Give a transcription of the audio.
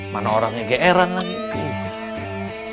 mana orangnya geeran lagi